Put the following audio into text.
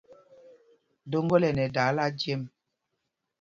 Doŋgǒl ɛ nɛ dáála jem.